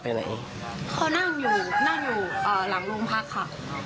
เขานั่นอยู่หลังลงพักค่ะ